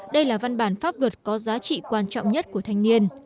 đây là văn bản pháp luật có giá trị quan trọng nhất của thanh niên